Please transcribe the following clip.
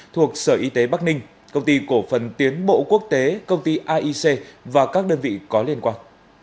thuộc sở y tế bắc ninh công ty cổ phần tiến bộ quốc tế công ty aic và các đơn vị có liên quan